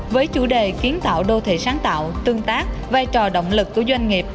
với chủ đề kiến tạo đô thị sáng tạo tương tác vai trò động lực của doanh nghiệp